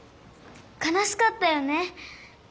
かなしかったよね。